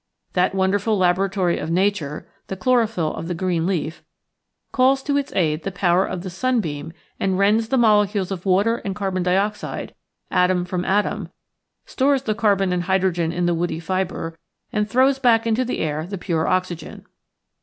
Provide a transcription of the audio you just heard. That wonderful laboratory of nature, the chlorophyl of the green leaf, calls to its aid the power of the sunbeam and rends the molecules of water and carbon dioxide, atom from atom, stores the carbon and hydrogen in the woody fiber, and throws back into the air the pure oxygen.